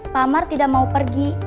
pak amar tidak mau pergi